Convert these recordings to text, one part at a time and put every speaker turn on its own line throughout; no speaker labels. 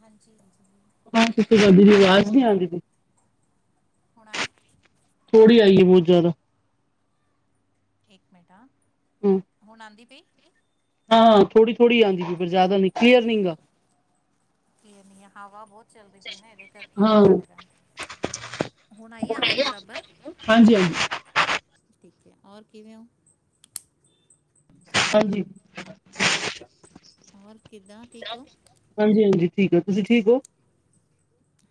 ਹਾਂਜੀ- ਹਾਂਜੀ।
[unintelligible] ਗੱਡੀ ਦੀ ਆਵਾਜ਼ ਨੀ ਆਂਦੀ ਪਈ।
ਹੁਣ ਆਈ।
ਥੋੜ੍ਹੀ ਆਈਏ ਬਹੁਤ ਜ਼ਿਆਦਾ।
ਇੱਕ ਮਿੰਟ ਆ ਹੁਣ ਆਦੀ ਪਈ।
ਆਹ ਥੋੜੀ- ਥੋੜ੍ਹੀ ਆਦੀ ਪਈ ਪਰ ਜ਼ਿਆਦਾ ਨੀ ਕਲੀਅਰ ਨੀ ਗਾ।
ਕੀ ਐਨੀ ਹੈ ਹਵਾ ਬਹੁਤ ਚੱਲਦੀ ਪਈ ਨਾ ਇਹਦੇ ਕਰਕੇ
ਹਾਂ
ਹੋ ਸਕਦਾ ਹੈ। ਹੁਣ ਆਈ ਆਵਾਜ ਬਰਾਬਰ,
ਹਾਂਜੀ ਹਾਂਜੀ
ਠੀਕ ਹੈ ਹੋਰ ਕਿਵੇਂ ਹੋ?
ਹਾਂਜੀ।
ਔਰ ਕਿਦਾਂ ਠੀਕ ਹੋ।
ਹਾਂਜੀ -ਹਾਂਜੀ, ਠੀਕ ਹਾਂ ਤੁਸੀਂ ਠੀਕ ਹੋ?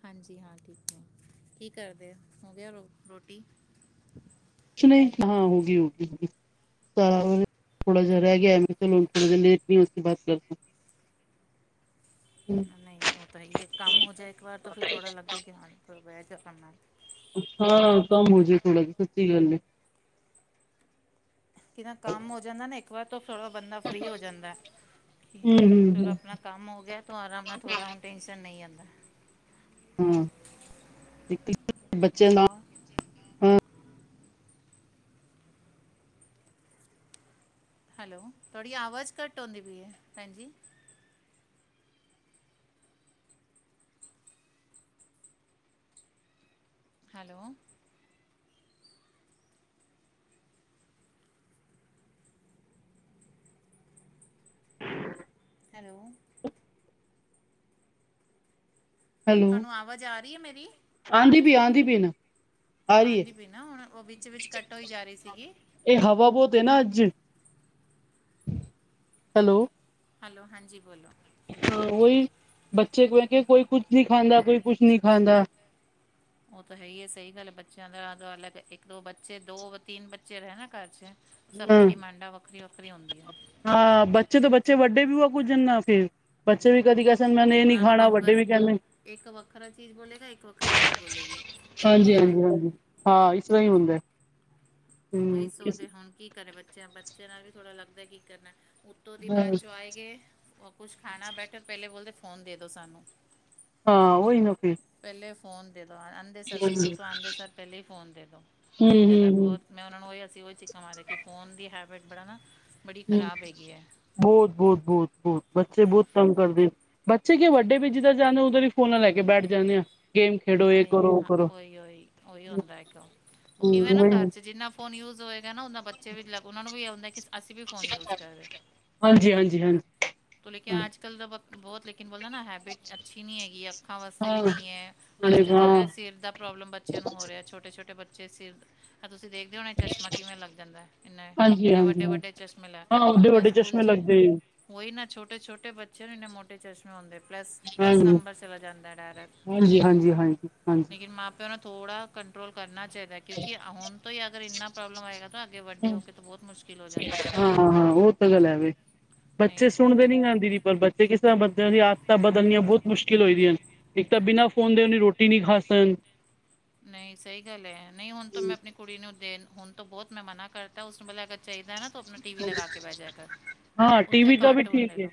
ਹਾਂਜੀ ਹਾਂ, ਠੀਕ ਹੈ ਕੀ ਕਰਦੇ ਹੋ ਗਿਆ ਰੋ ਰੋਟੀ।
ਕਿਮੇ ਹਾਂ ਹੋ ਗੀ ਰੋਟੀ- ਰੁਟੀ। ਥੋੜਾ ਜਿਹਾ ਰਹਿ ਗਿਆ ਲੋ ਬਾ ਕਰ ਸਕ [unintelligible]
[inaudible] ਨਹੀਂ ਉਹ ਤਾਂ ਹੈ ਏ ਕੰਮ ਹੋ ਜਾਏ, ਇੱਕ ਵਾਰ ਤਾਂ ਫਿਰ ਥੜ੍ਹਾ ਲੱਗਦਾ ਕਿ ਹਾਂ ਥੋੜ੍ਹਾ ਬੈਗ ਕੰਮ ਆ।
[unintelligible] ਹਾਂ, ਕੰਮ ਹੋ ਜਾਏ ਥੋੜ੍ਹਾ ਈ ਸੱਚੀ ਗੱਲ ਹੈ।
ਕਿ ਨਾ ਕੰਮ ਹੋ ਜਾਂਦਾ ਨਾ ਇੱਕ ਵਾਰ ਤਾਂ ਥੋੜ੍ਹਾ ਬੰਦਾ ਫਰੀ ਹੋ ਜਾਂਦਾ ਕਿ
ਹਮ
ਚਲੋ
ਹਮ
ਆਪਣਾ। ਕੰਮ ਹੋ ਗਿਆ ਤੁਹਾਰਾ ਮੈ ਥੋੜ੍ਹਾ ਹੁਣ ਟੈਂਨਸ਼ਨ ਨਹੀਂ ਆਦਾ।
ਹਮ, ਬੱਚੇ ਨਾ।
ਔਰ ਹੈਲੋ, ਥੋੜ੍ਹੀ ਆਵਾਜ਼ ਘੱਟ ਆਉਂਦੀ ਪਈ ਹੈ ਭੈਣਜੀ। [inaudible] ਹੈਲੋ। ਹੈਲੋ। ਤੁਹਾਨੂੰ ਆਵਾਜ ਆ ਰਹੀ ਹੈ ਮੇਰੀ।
ਆਉਦੀ ਪਈ -ਆਉਂਦੀ ਪਈ ਨਾ। ਆ ਰਹੀ ਹੈ
ਆਉਦੀ ਪਈ ਨਾ ਹੁਣ ਉਹ ਵਿੱਚ- ਵਿੱਚ ਕੱਟ ਹੋਈ ਜਾ ਰਹੀ ਸੀਗੀ।
ਇਹ ਹਵਾ ਬਹੁਤ ਹੈ ਨਾ ਅੱਜ ਹੈਲੋ।
ਹੈਲੋ, ਹਾਂਜੀ ਬੋਲੋ।
ਹਾਂ ਉਹੀ ਬੱਚੇ ਕਿਵੇਂ ਕੇ ਕੋਈ ਕੁਛ ਨਹੀਂ ਖਾਂਦਾ, ਕੋਈ ਕੁਛ ਨਹੀਂ ਖਾਂਦਾ।
ਉਹ ਤਾਂ ਹੈ ਹੀਏ ਸਹੀ ਗੱਲ ਬੱਚਿਆਂ ਦਾ ਅਲੱਗ ਇੱਕ, ਦੋ, ਬੱਚੇ ਦੋ- ਤਿੰਨ ਬੱਚੇ ਰਹੇ ਨਾ ਘਰ ਚ। ਸਭ
ਹਾਂ
ਦੀਆਂ ਡਿਮਾਂਡਾ ਵੱਖਰੀਆਂ - ਵੱਖਰੀਆਂ ਹੁੰਦੀਆਂ ਨੇ।
ਹਾਂ ਬੱਚੇ ਤਾਂ ਬੱਚੇ ਵੱਡੇ ਵੀ ਹੋ ਕੁੱਝ ਨਾ ਫਿਰ ਬੱਚੇ ਵੀ ਕਦੀ ਕੇ
ਉਹਨਾਂ ਨੂੰ ਕੁਝ ਬਸ ਇੱਕ ਵੱਖਰਾ ਚੀਜ਼ ਬੋਲੇਗਾ, ਇੱਕ ਵੱਖਰੀ ਚੀਜ਼ ਬੋਲੇਗੀ।
ਹਾਂਜੀ
ਇੱਦਾਂ
-ਹਾਂਜੀ,
ਹੁੰਦਾ ਹੈ
ਹਾਂਜੀ ਹਾਂ ਇਸ ਤਰ੍ਹਾਂ ਹੀ ਹੁੰਦਾ ਹੈ।
ਉਹੀ ਸੋਚਦੇ ਹੁਣ ਕੀ ਕਰੇ ਬੱਚਿਆਂ -ਬੱਚਿਆਂ ਨਾਲ ਵੀ ਥੋੜ੍ਹਾ ਲੱਗਦਾ ਕੀ ਕਰਨਾ। ਉੱਤੋ ਦੀ ਬਾਅਦ 'ਚੋ ਆਏ ਗਏ। ਉਹ ਕੁਛ ਖਾਣਾ ਬੈਠ ਪਹਿਲੇ ਬੋਲਦੇ ਫੋਨ ਦੇ ਦਿਉ ਸਾਨੂੰ।
ਹਾਂ, ਉਹੀ ਨਾ ਫਿਰ।
ਪਹਿਲੇ ਫੋਨ ਦੇ ਦਿਉ ਆਦੇ ਸਰ ਸਕੂਲ ਤੋਂ ਆਦੇ ਸਰ ਪਹਿਲੇ ਹੀ ਫੋਨ ਦੇ ਦਿਉ
ਹਮ
ਇਹ ਗਲਤ
ਹਮ ਹਮ
ਬਹੁਤ। ਮੈਂ ਉਹਨਾਂ ਨੂੰ ਉਹੀ ਅਸੀ ਉਹੀ ਚੀ ਕਮ ਦੇ ਕਿ ਫੋਨ ਦੀ ਹੈਬਿਟ ਬੜਾ ਨਾ ਬੜੀ
ਹਮ
ਖ਼ਰਾਬ ਹੈਗੀ ਹੈ
ਬਹੁਤ-ਬਹੁਤ-ਬਹੁਤ-ਬਹੁਤ, ਬੱਚੇ ਬਹੁਤ ਤੰਗ ਕਰਦੇ। ਬੱਚੇ ਕਿ ਵੱਡੇ ਵੀ ਜਿੱਦਰ ਜਾਣੇ ਉੱਦਰ ਫੋਨ ਹੀ ਲੈ ਕੇ ਬੈਠ ਜਾਣੇ ਆ। ਗੇਮ ਖੇਡੋ ਇਹ ਕਰੋ ਉਹ
ਹਾਂ,
ਕਰੋ
ਉਹੀ-ਉਹੀ-ਉਹੀ ਹੁੰਦਾ ਇੱਕ, ਉਹ ਕਿਵੇ ਨਾ ਘਰ ਚ ਜਿੰਨਾ ਫ਼ੋਨ ਯੂਜ ਹੋਏਗਾ ਨਾ ਉਹਨਾਂ ਬੱਚੇ ਵੀ ਲ ਉਹਨਾਂ ਨੂੰ ਵੀ ਆ ਹੁੰਦਾ ਕਿ ਅਸੀ ਵੀ ਫੋਨ ਯੂਜ਼ ਕਰ ਰਹੇ।
ਹਾਂਜੀ-ਹਾਂਜੀ-ਹਾਂਜੀ।
ਤੋਂ ਲੇਕੇ ਆਜ-ਕੱਲ ਤਾਂ ਬਹੁਤ ਲੇਕਿਨ ਬੋਲਣਾ ਨਾ ਹੈ ਬਟ ਅੱਛੀ ਨਹੀਂ ਹੈਗੀ। ਅੱਖਾਂ ਵਾਸਤੇ ਵੀ
ਹਾਂ
ਨਹੀਂ ਏ, ਅੱਜ-ਕੱਲ੍ਹ ਜਿਵੇਂ
ਹਾਂ
ਸਿਰ ਦਾ ਪ੍ਰੋਬਲਮ ਬੱਚਿਆਂ ਨੂੰ ਹੋ ਰਿਹਾ, ਛੋਟੇ-ਛੋਟੇ ਬੱਚੇ ਸਿਰ ਤੁਸੀ ਦੇਖ ਹੁਣੇ ਚਸ਼ਮਾ ਕਿਵੇਂ ਲੱਗ ਜਾਂਦਾ, ਇਨਾਂ
ਹਾਂਜੀ
ਇੰਨੇ
ਹਾਂਜੀ ਹਾਂ
ਵੱਡੇ-ਵੱਡੇ ਚਸ਼ਮੇ ਲ
ਹਾਂ ਵੱਡੇ
ਮੈਂ
ਵੱਡੇ
ਸਕੂਲ
ਚਸ਼ਮੇ
'ਚ
ਲੱਗਦੇ
ਹੋਈ ਨਾ ਛੋਟੇ-ਛੋਟੇ ਬੱਚੇ ਨੇ ਮਟ ਮੋਟੇ ਚਸ਼ਮੇ ਹੁੰਦੇ, ਪਲੱਸ-ਪਲੱਸ
ਹਾਂਜੀ
ਨੰਬਰ ਚਲਾ ਜਾਂਦਾ ਡਾਇਰੈਕਟ,
ਹਾਂਜੀ ਹਾਂਜੀ ਹਾਂਜੀ ਹਾਂਜੀ
ਲੇਕਿਨ ਮਾਂ- ਪਿਓ ਥੋੜਾ ਕੰਟਰੋਲ ਕਰਨਾ ਚਾਹੀਦਾ, ਕਿਉਕਿ ਹੁਣ ਤੋਂ ਹੀ ਅਗਰ ਇੰਨਾ ਪ੍ਰੋਬਲਮ ਆਏਗਾ। ਤਾਂ ਕਿ
ਹਾਂ
ਵੱਡੇ ਹੋ ਕੇ ਤਾਂ ਬਹੁਤ ਮੁਸ਼ਕਿਲ ਹੋ ਜਾਂਦੀ ਏ ਫਿਰ।
ਸਹੀ ਗੱਲ ਐਵੇ।
ਨਹੀਂ
ਬੱਚੇ
ਬਹੁਤ
ਸੁਣਦੇ
ਹੋ-
ਨੀ ਗੱਲ ਦੀਦੀ। ਪਰ ਬੱਚੇ ਕਿਸ ਤਰ੍ਹਾਂ ਬੱਚਿਆਂ ਦੀ ਆਦਤਾਂ ਬਦਲਣੀਆਂ ਬਹੁਤ ਮੁਸ਼ਕਿਲ ਹੋਈਆਂ ਹਨ। ਇੱਕ ਤਾਂ ਬਿਨਾਂ ਫੋਨ ਦੇਣੀ ਰੋਟੀ ਰੋਟੀ ਨੀ ਖਾ ਸਗ।
ਨਹੀਂ, ਸਹੀ ਗੱਲ ਏ ਨਹੀਂ ਹੁਣ ਤੇ ਮੈਂ ਕੁੜੀ ਨੂੰ ਦੇਣ, ਹੁਣ ਤੋਂ ਬਹੁਤ ਮੈਂ ਮਨਾ ਕਰਤਾ ਉਸਨੂੰ ਪਹਿਲਾਂ ਅਗਰ ਚਾਹੀਦਾ ਨਾ ਆਪਣਾ ਟੀ ਵੀ ਲਗਾ ਕੇ ਬਹਿ ਜਾ ਕਰ।
ਹਾਂ ਟੀ
ਉੱਥੇ
ਵੀ ਦਾ ਵੀ
ਕਾਰਟੂਨ
ਠੀਕ ਹੈ
ਦੇਖਲੋ।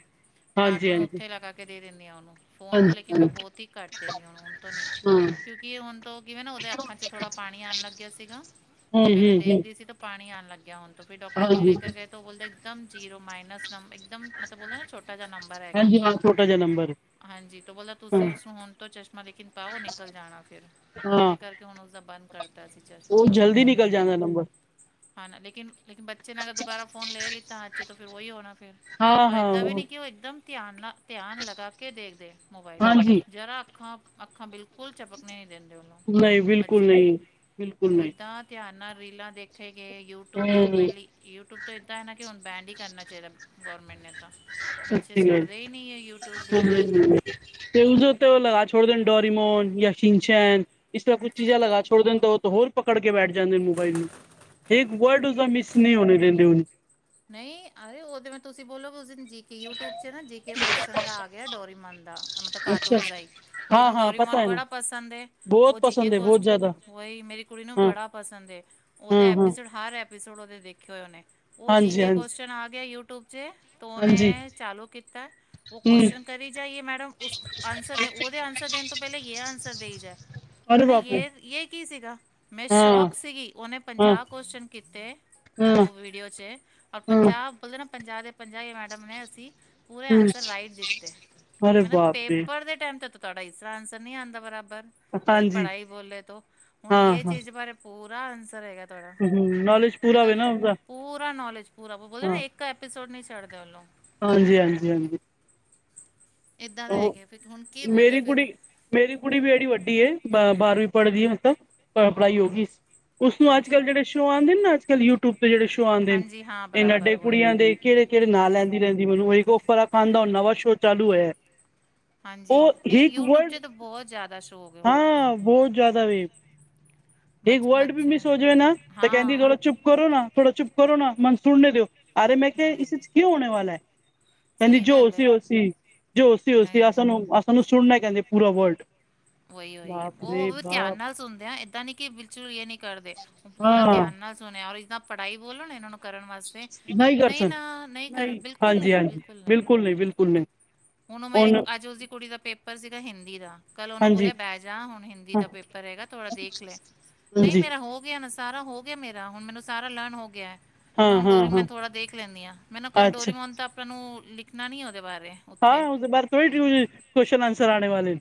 ਹਾਂਜੀ
ਕਾਰਟੂਨ
ਹਾਂਜੀ
ਉੱਥੇ ਲਗਾ ਕੇ ਦੇ ਦੇਣੀ ਆ ਉਹਨੂੰ। ਫੋਨ ਤੋਂ
ਹਾਂਜੀ
ਲੇਕਿਨ ਮੈਂ
ਹਾਂ
ਬਹੁਤ ਹੀ ਘੱਟ ਦੇਣੀ‌ ਆ ਹੁਣ ਤੋਂ ਨਹੀਂ।
ਹੂੰ
ਕਿਉਂਕਿ ਹੁਣ ਤੋਂ ਕਿਵੇਂ ਨਾ ਉਹਦੇ ਅੱਖਾਂ 'ਚ ਥੋੜਾ ਪਾਣੀ ਆਣ ਲੱਗਿਆ ਸੀਗਾ। ਪਹਿਲੇ
ਹੂੰ ਹੂੰ
ਦੇਖਦੀ ਸੀ ਤਾਂ ਪਾਣੀ ਆਣ ਲੱਗਿਆ ਹੁਣ। ਤੋਂ ਫਿਰ ਡਾਕਟਰ ਕੋ
ਹਾਂਜੀ
ਲੈ ਕੇ ਗਏ ਤੋਂ ਉਹ ਬੋਲਦੇ ਇੱਕਦਮ ਜੀਰੋ ਮਾਈਨ ਨਮ ਇੱਕਦਮ ਮਤਲਬ ਬੋਲਦੇ ਨਾ ਛੋਟਾ ਜਹ ਨੰਬਰ ਹੈਗਾ।
ਹਾਂਜੀ ਹਾਂ ਛੋਟਾ ਜਾ ਨੰਬਰ
ਹਾਂਜੀ, ਤੋ ਬੋਲ
ਹਾਂ
ਤੁਸੀਂ ਉਸਨੂੰ ਹੁਣ ਤੋਂ ਚਸ਼ਮਾ ਲੇਕਿਨ ਪਾਓ। ਨਿਕਲ ਜਾਣਾ ਫਿਰ। ਤੋਂ
ਹਾਂ
ਉਹਦੇ ਕਰਕੇ ਹੁਣ ਉਸਦਾ ਬੰਦ ਕਰਤਾ ਸੀ
ਉਹ
ਚਸ਼ਮਾ
ਜਲਦੀ ਨਿਕਲ
ਬਿਲਕੁਲ। ਹਾਂ
ਜਾਂਦਾ
ਨਹੀਂ
ਨੰਬਰ
ਹਾਂ ਨਾ ਲੇਕਿਨ। ਲੇਕਿਨ ਬੱਚੇ ਨੇ ਅਗਰ ਦੁਬਾਰਾ ਫੋਨ ਲੈ ਲੀਤਾ ਅੱਚੇ 'ਤੇ ਫਿਰ ਉਹੀ ਹੋਣਾ ਫਿਰ
ਹਾਂ
ਔਰ
ਹਾਂ
ਏਦਾਂ ਵੀ ਨਹੀਂਂ ਇੱਕਦਮ ਧਿਆਨ ਨਾਲ ਧਿਆਨ ਲਗਾ ਕੇ ਦੇਖਦੇ ਮੋਬਾਇਲ।
ਹਾਂਜੀ
ਜ਼ਰਾ ਅੱਖਾਂ ਅੱਖਾਂ ਬਿਲਕੁਲ ਚਪਕਣੇ ਨਹੀਂ ਦਿੰਦੇ ਉਹਨੂੰ
ਨਹੀਂ ਬਿਲਕੁਲ
ਬੱਚੇ ਮੈਂ
ਨਹੀਂ ਬਿਲਕੁਲ
ਉਹ
ਨਹੀਂ
ਇੱਦਾਂ ਧਿਆਨ ਨਾਲ ਰੀਲਾਂ ਦੇਖੇ ਗਏ। ਯੂਟਿਊਬ ਤੋਂ
ਹੂੰ
ਪਹਿਲੀ ਯੂਟਿਊਬ ਤੋਂ ਇੱਦਾਂ ਨਾ ਕਿ ਹੁਣ ਬੈਡ ਹੀ ਕਰਨਾ ਚਾਹੀਦਾ ਗੌਰਮੈਂਟ ਨੇ ਤਾਂ। ਬੱਚੇ
ਸੱਚੀ ਗੱਲ
ਛੱਡਦੇ ਹੀ ਨਹੀਂ ਏ ਯੂਟਿਊਬ ਬਿਲਕੁਲ।
ਤੇ ਉਸ ਦੇ ਉੱਤੇ ਉਹ ਲਗਾ ਛੋੋੜ ਦੇ ਡੋਰੀਮੋਨ, ਯ ਸੀਚੈਨ। ਇਸ ਤਰ੍ਹਾਂ ਕੁਛ ਚੀਜ਼ਾਂ ਲਗਾ ਛੋੜ ਦੇ ਨੇ ਤੇ ਉਹ 'ਤੇ ਹੋਰ ਪਕੜ ਕੇ ਬੈਠ ਜਾਂਦੇ ਨੇ ਮੋਬਾਈਲ ਨੂੰ। ਇੱਕ ਵਰਡ ਉਸਦਾ ਮਿਸ ਨਹੀਂ ਹੋਣੇ ਦਿੰਦੇ।
ਨਹੀਂ, ਅਤੇ ਉਹ 'ਤੇ ਤੁਸੀਂ ਬੋਲੋ ਉਸ ਦਿਨ ਜੀ ਕੇ ਯੂਟਿਊਬ 'ਚ ਨਾ ਜੀ ਕੇ ਕੋਸ਼ਚਨ ਦਾ ਆ ਗਿਆ ਡੋਰੀਮਨ ਦਾ ਮਤਲਬ
ਅੱਛਾ
ਕਾਰਟੂਨ ਦਾ ਹੀ।
ਹਾਂ
ਇਹਨੂੰ
ਹਾਂ ਪਤਾ
ਡੋਰੀਮੋਨ
ਹੈ ਨਾ
ਬੜਾ ਪਸੰਦ ਏ,
ਬਹੁਤ
ਉਹ ਜੀਕੇ
ਪਸੰਦ ਹੈ ਬਹੁਤ
ਕੋਸ਼ਚ
ਜ਼ਿਆਦਾ
ਉਹੀ ਮੇਰੀ ਕੁੜੀ ਨੂੰ
ਹਾਂ
ਬੜਾ ਪਸੰਦ
ਹਾਂ
ਉਹਦੇ
ਹਾਂ
ਐਪੀਸੋਡ ਹਰ ਐਪੀਸੋਡ ਉਹਦੇ ਦੇਖੇ ਹੋਏ ਉਹਨੇ। ਉਹ ਜੀ
ਹਾਂਜੀ ਹਾਂਜੀ
ਚਨ ਆ ਗਿਆ ਯੂਟਿਊਬ 'ਚ' ਤੋ
ਹਾਂਜੀ
ਉਹਨੇ ਚਾਲੂ ਕੀਤਾ ਉਹ
ਹੂੰ
ਕੋਸਚਨ ਕਰੀ ਜਾਈਏ ਮੈਡਮ, ਉਸ ਆਨਸਰ ਦੇ ਉਹਦੇ ਆਨਸਰ ਦੇਣ ਤੋਂ ਪਹਿਲੇ ਜੇ ਆਨਸਰ ਦੇਈ ਜਾ।
ਅਰੇ
ਮਨੇ
ਬਾਪ ਰੇ
ਯੇ-ਯੇ ਇਹ ਕੀ ਸੀਗਾ। ਮੈਂ
ਹਾਂ
ਸ਼ੌਕ ਸੀਗੀ। ਉਹਨੇ
ਹਾਂ
ਪੰਜਾਹ ਕੁਸ਼ਚਨ ਕੀਤੇ
ਹਾਂ
ਉਹ ਵੀਡੀਓ 'ਚ' ਔਰ
ਹਾਂ
ਪੰਜਾਬ ਬੋਲਦੇ ਨਾ, ਪੰਜਾਬ ਦੇ ਪੰਜਾਹ ਮੈਡਮ ਨੇ ਅਸੀਂ ਪੂਰੇ
ਹੂੰ
ਆਂਸਰ ਰਾਈਟ ਦਿੱਤੇ। [inaudible]
ਅਰੇ
ਮੇਨੇ
ਬਾਪ ਰੇ
ਪੇਪਰ ਦੇ ਟਾਈਮ 'ਤੇ ਤੁਹਾਡਾ ਇਸ ਤਰ੍ਹਾਂ ਆਂਸਰ ਨੀ ਆਂਦਾ ਬਰਾਬਰ, ਜਦ
ਹਾਂਜੀ
ਪੜ੍ਹਾਈ ਬੋਲੇ 'ਤੋ ਹੁਣ
ਹਾਂ
ਯੇ
ਹਾਂ
ਚੀਜ਼ ਬਾਰੇ ਪੂਰਾ ਆਂਸਰ ਹੈਗਾ ਤੁਹਾਡਾ
ਹੂੰ
' [inaudible]
ਨੌਲੇਜ
' ਮੈਂ
ਪੂਰਾ
ਤਾਂ
ਹੋਵੇ ਨਾ ਉਹਦਾ
ਪੂਰਾ ਨੌਲੇਜ, ਪੂਰਾ ਆਪਾਂ ਬੋਲਦੇ ਨਾ ਇੱਕ ਇੱਕ ਐਪੀਸੋਡ ਨਹੀਂ ਛੱਡਦੇ ਉਹਨੂੰ
ਹਾਂਜੀ-ਹਾਂਜੀ, ਹਾਂਜੀ-ਹਾਂਜੀ।
ਏਦਾਂ ਦੇ ਹੈਗੇ ਆ ਫਿਰ ਹੁਣ ਕੀ ਬੋਲੇ
ਮੇਰੀ
ਫਿਰ।
ਕੁੜੀ ਮੇਰੀ ਕੁੜੀ ਵੀ ਜਿਹੜੀ ਵੱਡੀ ਏ। ਬ ਬਾਰਵੀਂ ਪੜ੍ਹਦੀ ਐ, ਮਤਲਬ ਪੜ੍ਹਾਈ ਹੋ ਗਈ। ਉਸਨੂੰ
ਹਾਂਜੀ
ਅੱਜ-ਕੱਲ ਜਿਹੜੇ ਸ਼ੋ ਆਂਦੇ ਨਾ, ਅੱਜ-ਕੱਲ ਯੂਟਿਊਬ ਤੇ ਜਿਹੇ ਸ਼ੋਅ ਆਂਦੇ ਨੇ
ਹਾਂਜੀ ਹਾਂ
ਇਹ ਨੱਡੇ
ਬਰਾਬਰ ਵਹੀ
ਕੁੜੀਆ ਦੇ ਕਿਹੜੇ-ਕਿਹੜੇ ਨਾਂ
ਹਾਂਜੀ
ਲੈਂਦੀ ਰਹਿੰਦੀ। ਮੈਨੂੰ ਉਹ ਫਰਕਾਨ ਦਾ ਨਵਾਂ ਸੋਅ ਚਾਲੂ ਹੋਇਆ।
ਹਾਂਜੀ
ਉਹ ਹੀਟ
ਨਹੀਂ
ਵਰਡ '
'ਚ
[inaudible]
ਤਾਂ ਬਹੁਤ ਜ਼ਿਆਦਾ ਸ਼ੋ ਹੋ ਗਏ
'
ਹੁਣ ਤਾਂ
ਹਾਂ ਬਹੁਤ ਜ਼ਿਆਦਾ ਵੇਖ ਇੱਕ
ਬਚ
ਵਰਲਡ ਵੀ
ਬੱਚੇ
ਮਿਸ ਹੋ ਜਾਵੇ ਨਾ, ਤਾਂ ਕਹਿੰਦੀ
ਹਾਂ
ਥੋੜਾ ਚੁੱਪ ਕਰੋ ਨਾ ਥੋੜਾ ਚੁੱਪ ਕਰੋ ਨਾ, ਮਨ ਸੁਣਨੇ ਦਿਓ। ਅਰੇ ਮੈਂ ਕਿਹਾ ਇਸ
ਬਾਈ
'ਚ' ਕਿਉਂ ਹੋਣੇ ਵਾਲਾ ਐ ਕਹਿੰਦੀ
ਸਹੀ
ਜੋ
ਗੱਲ
ਸੀ,
ਹੈ
ਉਹ ਸੀ। ਜੋ ਸੀ '
ਨਹੀਂ ਨਹੀਂ
[unintelligible] ' ਸੁਣਨਾ ਕਹਿੰਦੇ ਪੂਰਾ ਵਰਲਡ
ਉਹੀ-ਉਹੀ ਉਹ ਵੀ ਧਿਆਨ ਨਾਲ ਸੁਣਦੇ ਆ ਏਦਾਂ ਨੀ ਕਿ ਬਿਲਚੁਲ ਇਹ ਨੀ ਕਰਦੇ। ਪੂਰਾ
ਹਾਂ
ਧਿਆਨ ਨਾ ਸੁਣਿਆ, ਔਰ ਜਿੱਦਾਂ ਪੜ੍ਹਾਈ ਬੋਲੋ ਇਹਨਾਂ ਨੂੰ ਕਰਨ ਵਾਸਤੇ,
ਕਰ
ਨਹੀਂ
ਸਨ
ਨਾ ਨਹੀਂ ਕਰ ਬਿਲਕੁਲ ਨਹੀਂ, ਬਿਲਕੁਲ ਨਹੀਂ।
ਬਿਲਕੁਲ ਨਹੀਂ।
ਹੁਣ ਉਹ ਮੇਰੀ
ਉਹਨ
ਅੱਜ ਉਸਦੀ ਕੁੜੀ ਦਾ ਪੇਪਰ ਸੀਗਾ ਹਿੰਦੀ ਦਾ ਕੱਲ੍ਹ ਉਹਨੂੰ
ਹਾਂਜੀ
ਬੋਲਿਆ ਬਹਿ ਜਾ ਹੁਣ ਹਿੰਦੀ
ਹਾਂ
ਦਾ ਪੇਪਰ ਪੇਪਰ ਹੈਗਾ ਥੋੜ੍ਹਾ ਦੇਖ ਲੈ, ਨਹੀਂ
ਹਾਂਜੀ
ਮੇਰਾ ਹੋ ਗਿਆ ਬ਼ਸ ਸਾਰਾ ਹੋ ਗਿਆ ਮੇਰਾ, ਹੁਣ ਮੈਨੂੰ ਸਾਰਾ ਲਰਨ ਹੋ ਗਿਆ। ਤੇ
ਹਾਂ
ਮੈਂ ਹੁਣ
ਹਾਂ ਹਾਂ
ਡੋਰੀਮੋਨ ਥੋੜਾ ਦੇਖ ਲੈਂਣੀ ਆ, ਮੈਂ ਨਾ ਕੱਲ
ਅੱਛਾ
ਡੋਰੀਮੋਨ ਤਾਂ ਆਪਾਂ ਨੂੰ ਲਿਖਣਾ ਨੀ ਆ ਉਹਦੇ ਬਾਰੇ
ਹਾਂ,
ਉੱਥੇ
ਉਸਦੇ ਬਾਰ ਥੋੜੀ ਟਊ ਕੋਸ਼ਚਨ ਆਂਸਰ ਆਣੇ ਵਾਲੇ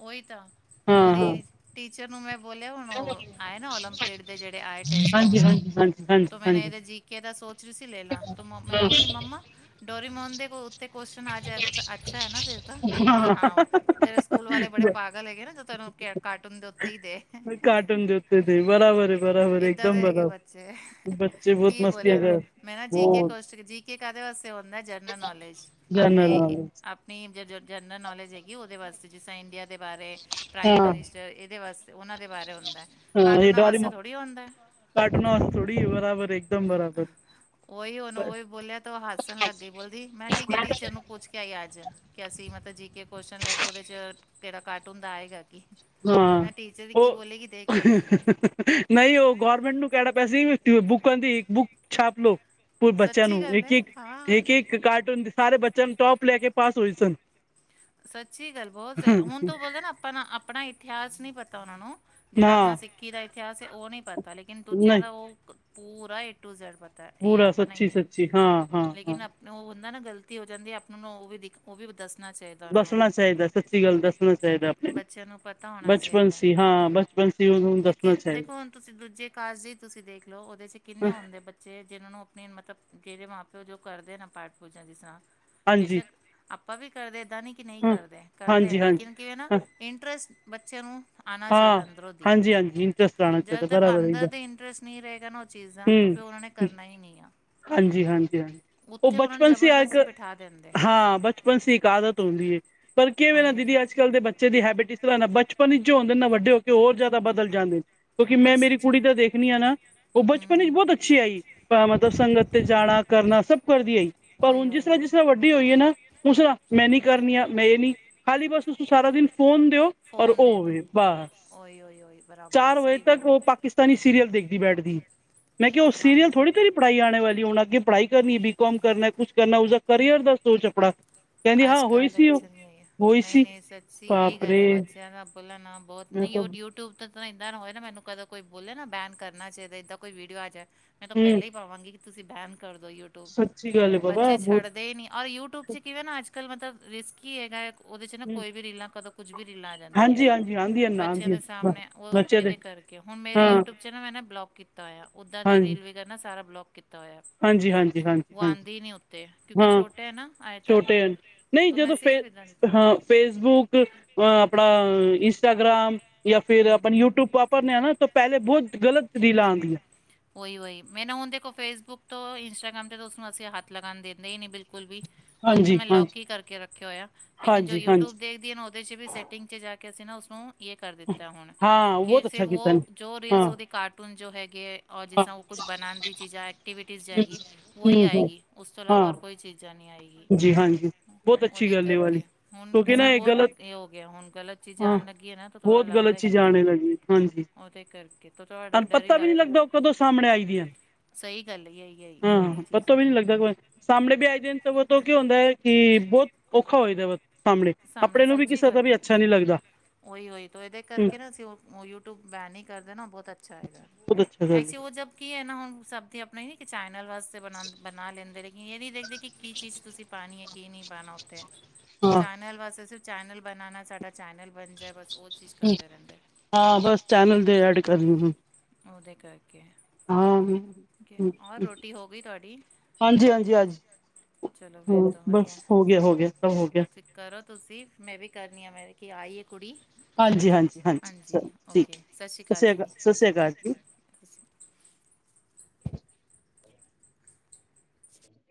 ਓਹੀ ਤਾਂ, ਤੋ
ਹਾਂ ਹਾਂ
ਉਹਦੀ ਟੀਚਰ ਨੂੰ ਮੈਂ ਬੋਲਿਆ, ਹੁਣ ਉਹ ਆਏ ਨਾ। ਓਲੰਪ ਪੇਡਦੇ ਜਿਹੜੇ ਆਏ ਟੈਸਟ ਹੁਣ
ਹਾਂਜੀ-ਹਾਂਜੀ, ਹਾਂਜੀ।
ਕੇਦਾ ਸੋਚ ਰਹੀ ਸੀ ਲੈਲਾ, ਤੌ ਮੈਨੂੰ ਬੋਲਦੀ ਮੰਮਾ, ਡੋਰੀਮੋਨ ਦੇ ਕੋਲ ਉੱਥੇ ਕੋਸ਼ਚਨ ਆ ਜਾਏ ਤਾਂ ਅੱਛਾ ਹੈ, ਨਾ ਫਿਰ ਤਾਂ ਮੈਂ ਨਾ ਉਹ ਤੇਰੇ ਸਕੂਲ ਵਾਲੇ ਬੜੇ ਪਾਗਲ ਹੈਗੇ ਨਾ, ਜੋ ਤੈਨੂੰ ਕਹਿ ਕਾਰਟੂਨ ਦੇ ਉੱਤੇ ਹੀ ਦੇ ਇਹ
ਕਾਰਟੂਨ ਦੇ ਉੱਤੇ ਤੇ ਬਰਾਬਰ ਹੈ ਬਰਾਬਰ
ਏਦਾਂ
ਇੱਕਦਮ
ਦੇ ਹੈਗੇ
ਬਰਾਬਰ
ਬੱਚੇ
ਬੱਚੇ ਬਹੁਤ
ਕੀ ਬੋਲਿਆ
ਮਸਤੀਆਂ
ਉਹਨਾਂ ਨੂੰ,
ਕਰ
ਮੈਂ ਨਾ ਜੀ ਕੇ
ਬਹੁਤ
ਕੋਸ ਜੀ ਕੇ ਕਾਹਦੇ ਵਾਸਤੇ ਹੁੰਦਾ ਜਨਰਲ ਨ ਨੌਲੇਜ
ਹਾਂ
ਆਪਣੇ ਆਪਣੀ ਜਨਰਲ ਨੌਲੇਜ ਹੈਗੀ ਉਹਦੇ ਵਾਸਤੇ ਜਿਸ ਤਰ੍ਹਾਂ ਇੰਡੀਆ ਦੇ ਬਾਰੇ ਪ੍ਰਾਈਮ ਮਿਨਿਸਟਰ, ਇਹਦੇ ਵਾਸਤੇ ਉਹਨਾਂ ਦੇ ਬਾਰੇ ਹੁੰਦਾ। ਹੈ
ਹਾ
ਕਾਰਟੂਨਾਂ ਵਾਸਤੇ
ਡਾਰੀਮੋਨ,
ਥੋੜੀ ਹੁੰਦਾ ਹੈ
ਕਾਰਟੂਨਾਂ ਵਾਸਤੇ ਥੋੜੀ ਆ ਬਰਾਬਰ ਇੱਕ ਦਮ ਬਰਾਬਰ
ਉਹੀ ਉਹਨੂੰ ਉਹੀ ਬੋਲਿਆ ਤੇ ਉਹ ਹੱਸਣ ਲੱਗ ਗਈ, ਬੋਲਦੀ, ਮੈਂ ਠੀਕ ਐ ਟੀਚਰ ਨੂੰ ਪੁੱਛ ਕੇ ਕਿਆ ਹੀ ਅੱਜ, ਕਿ ਅਸੀਂ ਮਤਲਬ ਜੀ ਕੇ ਕੌਸ਼ਚਨ ਲਏ ਤਾਂ ਉਹਦੇ 'ਚ' ਕਿਹੜਾ ਕਾਰਟੂਨ ਦਾ ਆਏਗਾ ਕੀ
ਹਾਂ
ਮੈਂ ਟੀਚਰ ਕੀ
ਉਹ
ਬੋਲੇਗੀ
'
ਦੇਖ ਲਈ
[unintelligible] ' ਨਹੀਂ ਉਹ ਗੌਰਮੈਂਟ ਨੂੰ ਕਿਹੜਾ ਪੈਸੇ ' [unintelligible] ' ਬੁੱਕ ਦੀ, ਬੁੱਕ ਛਾਪ ਲਓ। ' [unintelligible] ' ਬੱਚਿਆਂ ਨੂੰ
ਸੱਚੀ ਗੱਲ ਹੈ
ਇੱਕ-ਇੱਕ,
ਹਾਂ
ਇੱਕ- ਇੱਕ ਕਾਰਟੂਨ ਦੇ ਸਾਰੇ ਬੱਚਿਆਂ ਨੂੰ ਟੋਪ ਲੈ ਕੇ ਪਾਸ ਹੋਏ ਸਨ।
ਸੱਚੀ ਗੱਲ ਬੋਸ ਏ, ਹੁਣ ਤੋ ਬੋਲਦੇ ਆ ਆਪਾਂ ਨਾਂ ਆਪਣਾ ਏ ਇਤਿਹਾਸ ਨਹੀਂ ਪਤਾ ਉਹਨਾਂ ਨੂੰ।
ਨਾ
ਜਿਹੜਾ ਆਪਣਾ ਸਿੱਖੀ ਦਾ ਇਤਿਹਾਸ ਏ ਉਹ ਨੀ ਪਤਾ, ਲੇਕਿਨ ਦੂਜਿਆਂ
ਨਹੀਂ
ਦਾ ਉਹ ਪੂਰਾ ਏ ਟੂ ਜੈਡ ਪਤਾ ਇਹ
ਪੂਰਾ
ਆਪਾਂ
ਸੱਚੀ
ਨੀ ਐ
ਸੱਚੀ ਹਾਂ ਹਾਂ ਹਾਂ
ਲੇਕਿਨ ਆਪ ਨੂੰ ਉਹ ਹੁੰਦਾ ਨਾ ਗ਼ਲਤੀ ਹੋ ਜਾਂਦੀ ਆਪਣੇ ਨੂੰ ਉਹ ਵੀ ਦਿਖ- ਉਹ ਵੀ ਦੱਸਣਾ ਚਾਹੀਦਾ ਉਹਨਾਂ ਨੂੰ।
ਦੱਸਣਾ ਚਾਹੀਦਾ ਸੱਚੀ ਗੱਲ ਦੱਸਣਾ ਚਾਹੀਦਾ ਆਪਣੇ
ਬੱਚਿਆਂ ਨੂੰ ਪਤਾ ਹੋਣਾ
ਬਚਪਨ
ਚਾਹੀਦਾ।
ਸੀ [unintelligible]
ਕਿਉਕਿ ਦੇਖੋ,
ਚਾਹੀਦਾ
ਹੁਣ ਤੁਸੀ ਦੂਜੇ ਕਾਲਜ ਤੁਸੀ ਦੇਖ ਲਓ ਉਹਦੇ 'ਚ ਕਿੰਨੇ ਹੁੰਦੇ ਬੱਚੇ ਜਿਹਨਾਂ ਨੂੰ ਆਪਣੀ ਮਤਲਬ ਜਿਹੜਦੇ ਮਾਂ-ਪਿਓ ਜੋ ਕਰਦੇ ਨੇ ਪਾਠ-ਪੂਜਾ ਦੀ ਤਰਹ
ਹਾਂਜੀ
ਬੇਸ਼ੱਕ ਆਪਾਂ ਵੀ ਕਰਦੇ ਏਦਾਂ ਨਹੀਂ ਕਿ ਨਹੀਂ
ਹਾਂ
ਕਰਦੇ ਕਰਦੇ
ਹਾਂਜੀ
ਏ,
ਹਾਂਜੀ
ਲੇਕਿਨ ਕਿਵੇਂ ਨਾ ਇੰਟਰਸਟ ਬੱਚੇ ਨੂੰ ਆਨਾ
ਹਾਂ
ਚਾਹੀਦਾ ਅੰਦਰੋ ਦੀ।
ਹਾਂਜੀ ਹਾਂਜੀ ਇੰਟਰਸਟ ਆਉਣਾ
ਜਦੋਂ
ਚਾਹੀਦਾ
ਤੱਕ
ਬਰਾਬਰ
ਅੰਦਰ ਦੇ ਇੰਟਰਸਟ ਨਹੀਂ ਰਹੇਗਾ ਨਾ ਉਹ ਚੀਜ਼ਾਂ ਤਾਂ
ਹਮ
ਫਿਰ ਉਹਨਾਂ ਨੇ ਕਰਨਾ ਹੀ ਨਹੀਂ ਆ।
ਹਾਂਜੀ- ਹਾਂਜੀ- ਹਾਂਜੀ। ਉਹ
ਉੱਥੇ ਉਹਨਾਂ ਨੂੰ
ਬਚਪਨ ਸੀ ਅ ਇੱਕ
ਜ਼ਬਰਦਸਤੀ ਬਿਠਾ ਦਿੰਦੇ
ਹਾਂ, ਬਚਪਨ ਸੀ ਇੱਕ ਆਦਤ ਹੁੰਦੀ ਏ। ਪਰ ਕਿਵੇੇ ਨਾ
ਉਹੀ ਉਹੀ
ਦੀਦੀ ਅੱਜ- ਕੱਲ੍ਹ ਦੇ ਬੱਚੇ ਦੀ ਹੈਬਿਟ ਇਸ ਤਰ੍ਹਾਂ ਨਾ ਬਚਪਨ ਵਿੱਚ ਜੋ ਹੁੰਦੇ ਨਾ ਵੱਡੇ ਹੋ ਕੇ ਹੋਰ ਜ਼ਿਆਦਾ ਬਦਲ ਜਾਂਦੇ ਨੇ। ਕਿਉਂਕਿ ਮੈਂ
ਬਸ
ਮੇਰੀ
ਸੱਚੀ
ਕੁੜੀ ਦੇਖਣੀ ਆ ਨਾ ਉਹ ਬਚਪਨ ਚ
ਹੂੰ
ਬਹੁਤ ਅੱਛੀ ਆਈ ਮਤਲਬ ਸੰਗਤ ਤੇ ਜਾਣਾ, ਕਰਨਾ ਸਭ ਕਰਦੀ ਆਈ। ਪਰ
ਉਹੀ
ਹੁਣ ਜਿਸ
ਉਹੀ
ਤਰ੍ਹਾਂ ਜਿਸ
ਉਹੀ
ਤਰ੍ਹਾਂ ਵੱ- ਡੀ ਹੋਈਏ ਨਾ ਉਸ ਮੈਂ ਨੀ ਕਰਨੀ ਆ ਮੈਂ ਇਹ ਨੀ ਹਾਰੀ ਬਸ, ਤੁਸੀ ਸਾਰਾ ਦਿਨ ਫੋਨ ਔਰ
ਫੋਨ ਦੇ ਦਿਉ
ਹੋਵੇ ਬਸ
ਉਹੀ ਉਹੀ ਉਹੀ ਬਰਾਬਰ
ਚਾਰ ਵਜੇ
ਸਹੀ
ਤੱਕ
ਗੱਲ
ਉਹ
ਹੈ
ਪ ਪਾਕਿਸਤਾਨੀ ਸੀਰੀਅਲ ਦੇਖਦੀ ਬੈਠਦੀ। ਮੈਂ ਕਿਹਾ ਉਹ ਸੀਰੀਅਲ
ਹਾਂ
ਥੋੜ੍ਹੀ ਤੇਰੀ ਪੜ੍ਹਾਈ ਆਲੀ ਆਣੀ ਅੱਗੇ ਪੜ੍ਹਾਈ ਕਰਨੀ ਬੀਕਾਮ ਕਰਨਾ ਕੁਛ ਕਰਨਾ ਉਸਦਾ ਕਰੀਅਰ ਦਾ ਸੋਚ ਆਪਣਾ। ਕਹਿੰਦੀ ਹਾਂ ਹੋਈ
ਅੱਜ-ਕੱਲ੍ਹ ਤਾਂ
ਸੀ ਉਹ,
ਬੱਚਿਆਂ ਨਹੀਂ ਏ
ਹੋਈ ਸੀ
ਨਹੀਂ-ਨਹੀਂ ਸੱਚੀ ਇਹੀ
ਬਾਪ
ਗੱਲ ਏ
ਰੇ
ਬੱਚਿਆਂ ਦਾ, ਕੋਲਾ ਨਾ ਬਹੁਤ
ਮੈਂ
ਨਹੀਂ
ਤਾਂ
ਉਹ ਯੂਟਿਊਬ, ਤਾਂ ਇੱਦਾਂ ਨਾ ਹੋਏ ਨਾ ਮੈਨੂੰ ਕਦੇ ਕੋਈ ਬੋਲੇ ਨਾ ਬੈਨ ਕਰਨਾ ਚਾਹੀਦਾ ਏਦਾਂ ਕੋਈ ਵੀਡੀਓ ਆ ਜਾਏ। ਮੈਂ ਤੋਂ
ਹੂੰ,
ਪਹਿਲਾ ਈ ਪਾਵਾਂਗੀ ਕਿ ਤੁਸੀਂ ਬੈਨ ਕਰਦੋ ਯੂਟਿਊਬ
ਸੱਚੀ ਗੱਲ ਹੈ ਬਾਬਾ
ਬੱਚੇ
ਬਹੁਤ
ਛੱਡਦੇ ਨੀ ਔਰ ਯੂਟਿਊਬ ਚ ਕਿਵੇਂ ਨਾ ਅੱਜ-ਕੱਲ੍ਹ ਮਤਲਬ ਰਿਸਕੀ ਈ ਹੈਗਾ। ਉਹਦੇ ਚ ਨਾ
ਹੂੰ,
ਕੋਈ ਵੀ ਰੀਲਾਂ ਕਦੋਂ ਕੁੱਝ ਵੀ ਰੀਲਾਂ ਅ ਜਾਂਦੀ ਏ।
ਹਾਂਜੀ-ਹਾਂਜੀ ਆਂਦੀ ਐ ਨਾ
ਬੱਚਿਆਂ
ਆਂਦੀ ਐ।
ਦੇ ਸਾਹਮਣੇ ਉਹ
ਬੱਚੇ ਦੇ
ਇਹਦੇ ਕਰਕੇ ਹੁਣ ਮੇਰੇ
ਹਾਂ,
ਯੂਟਿਊਬ ਉਹ ਚ ਨਾ ਮੈਂ ਨੇ ਬਲੋਕ ਕੀਤਾ ਹੋਇਆ। ਉੱਦਾਂ ਦੀ
ਹਾਂਜੀ,
ਰੀਲ ਵਗੈਰਾ ਨਾ ਸਾਰਾ ਬਲੋਕ ਕੀਤਾ ਤਾਂ ਹੋਇਆ।
ਹਾਂਜੀ-ਹਾਂਜੀ,
ਉਹ
ਹਾਂਜੀ-ਹਾਂਜੀ
ਆਂਦੇ ਈ ਨਹੀਂ ਉੱਤੇ ਕਿਉਂਕਿ
ਹਾਂ
ਛੋਟੇ ਐ ਨਾ ਆਏ ਤਾਂ।
ਛੋਟੇ ਹਨ। ਨਹੀਂ
ਮੈਂ
ਜਦੋਂ ਫੇ
ਸੇਫ ਇੱਦਾਂ ਦਿੱਤਾ
ਹ ਫੇਸਬੁੱਕ, ਆਪਣਾ ਇੰਸਟਾਗ੍ਰਾਮ, ਜਾਂ ਫੇਰ ਆਪਾਂ ਯੂਟਿਊਬ ਵਾਪਰਨ ਨੇ ਆ ਨਾ ਤੋਂ ਪਹਿਲੇ ਬਹੁਤ ਗਲਤ ਰੀਲਾਂ ਆਦੀਆਂ।
ਉਹੀ-ਉਹੀ ਮੈਨੂੰ ਹੁਣ ਦੇਖੋ ਫੇਸਬੁੱਕ ਤੋਂ ਇੰਸਟਾਗ੍ਰਾਮ ਤੇ ਉਸਨੂੰ ਅਸੀਂ ਹੱਥ ਲਗਾਣ ਦਿੰਦੇ ਈ ਨੀ ਬਿਲਕੁਲ ਵੀ।
ਹਾਂਜੀ ਹਾਂਜੀ।
ਕੀ ਕਰਕੇ ਰੱਖਿਆ ਹੋਇਆ ਲੇਕਿਨ ਜੋ ਯੂਟਿਊਬ ਦੇਖਦੀ ਏ ਨਾ ਉਹਦੇ ਚ ਵੀ ਸੈਟਿੰਗ ਚ ਜਾ ਕੇ ਅਸੀ ਨਾ ਉਸਨੂੰ ਜੇ ਕਰ ਦਿੱਤਾ ਹੁਣ।
ਹਾਂ
ਕਿਰ
ਬਹੁਤ
ਸੇ
ਅੱਛਾ
ਵੋ
ਕੀਤਾ ਨੇ
ਜੋ ਰੀਲਸ
ਹਾਂ
ਉਹਦੇ ਕਾਰਟੂਨ ਚ ਹੈਗੇ ਐ ਔਰ ਜਿਸ
ਹਾਂ
ਤਰ੍ਹਾਂ ਉਹ ਕੁਛ ਬਣਾ ਦੀ ਚੀਜ਼ਾਂ ਐਕਟੀਵਿਟੀਜ਼ ਜਾਏਗੀ ਵੋਈ
ਹੂੰ ਹੂੰ
ਆਏਗੀ। ਉਸ ਤੋਂ ਇਲਾਵਾ
ਹਾਂ
ਹੋਰ ਕੋਈ ਚੀਜ਼ਾਂ ਨਹੀਂ ਆਏਗੀ।
ਜੀ ਹਾਂਜੀ। ਬਹੁਤ ਅੱਛੀ
ਉਹਦੇ
ਗੱਲ ਇਹ ਵਾਲੀ
ਕਰਕੇ ਹੁਣ
ਕਿਉਂਕਿ
ਕਿਸੇ
ਨਾ
ਨੇ ਬਹੁਤ
ਗਲਤ
ਇਹ ਹੋ ਗਿਆ ਹੁਣ ਗਲਤ ਚੀਜ਼
ਹਾਂ
ਆਣ ਲੱਗੀ ਐ ਨਾ, ਥੋੜ੍ਹਾ
ਬਹੁਤ
ਲੱਗਦਾ
ਗਲਤ
ਐ ਕਿ
ਚੀਜ਼ ਆਣੇ
ਨਹੀਂ।
ਲੱਗੀ ਹਾਂਜੀ
ਉਹਦੇ ਕਰਕੇ ਤਾਂ ਥੋੜ੍ਹਾ ਡ
ਤੁਹਾਨੂੰ
ਡਰ ਹੀ
ਪਤਾ ਵੀ ਨਹੀਂ
ਲੱਗਦਾ ਐ।
ਉਹ ਕਦੋਂ ਸਾਹਮਣੇ ਆਈ ਦੀਆਂ
ਸਹੀ ਗੱਲ ਇਹੀ ਯਹੀ-ਯਹੀ
ਹਾਂ
ਚੀਜ਼
ਪਤਾ
ਐ।
ਵੀ ਨਹੀਂ ਲੱਗਦਾ ਸਾਹਮਣੇ ਵੀ ਆਈਦੇ ਤੇ ਉਸਤੋਂ ਕੀ ਹੁੰਦਾ ਐ ਕਿ ਬਹੁਤ ਔਖਾ ਹੋਏ ਦਾ ਵਾਂ।
ਸਾਹਮਣਿਆਂ ਸੱਚੀ ਗੱਲ ਐ।
ਲੱਗਦਾ
ਉਹੀ-ਉਹੀ ਤੋਂ ਇਹਦੇ
ਹੂੰ
ਕਰਕੇ ਨਾ ਅਸੀ ਯੂਟਿਊਬ ਬੈਨ ਹੀ ਕਰਦੇ ਨਾ ਬਹੁਤ ਅੱਛਾ ਐਏਗਾ।
ਬਹੁਤ ਅੱਛਾ।
ਕੀ ਐ ਨਾ ਹੁਣ ਸਭ, ਤੇ ਆਪਣੇ ਕਿ ਚੈਨਲ ਵਾਸਤੇ ਬਣਾ-ਬਣਾ ਲੈਂਦੇ ਲੇਕਿਨ ਇਹ ਨਹੀਂ ਦੇਖਦੇ ਕਿ ਕੀ ਚੀਜ਼ ਤੁਸੀਂ ਪਾਣੀ ਐ। ਕੀ ਨਹੀਂ ਨਹੀਂ ਪਾਣਾ ਉੱਥੇ।
ਹਾਂ
ਚੈਨਲ ਬਸ ਅਸੀਂ ਚੈਨਲ ਬਣਾਉਣਾ ਸਾਡਾ ਚੈਨਲ ਬਣ ਜਾਏ ਬਸ ਉਹ ਚੀਜ਼
ਹਮ
ਕਰਦੇ ਰਹਿੰਦੇ
ਹਾਂ ਬਸ ਚੈਨਲ ਦੀ ਐੱਡ ਕਰਨੀ ਆ।
ਉਹਦੇ ਕਰਕੇ,
ਹਾਂ
ਓਕੇ ਔਰ ਰੋਟੀ ਹੋ ਗਈ ਤੁਹਾਡੀ
ਹਾਂਜੀ-ਹਾਂਜੀ, ਹਜੀ
ਚਲੋ ਫਿਰ
ਹਮ ਬਸ ਹੋ ਗਿਆ ਹੋ ਗਿਆ ਹੋ ਗਿਆ।
ਫ ਕਰੋ ਤੁਸੀਂ ਮੈਂ ਵੀ ਕਰਨੀ ਆ ਮੈਂ ਕਿ ਆਈ ਏ ਕੁੜੀ,
ਹਾਂਜੀ ਹਾਂਜੀ
ਹਾਂਜੀ
ਚਲੋ ਠੀਕ
ਓਕੇ,
ਹੈ
ਸ਼ਸ੍ਰੀ
ਸਤਿ
ਅਕਾਲ
ਸ਼੍ਰੀ
ਜੀ।
ਸਤਿ ਸ਼੍ਰੀ ਅਕਾਲ ਜੀ
ਤੁਸੀਂ